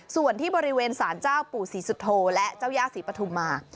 ส่วนที่บริเวณสารเจ้าปู่ศรีสุโธและเจ้าย่าศรีปฐุมา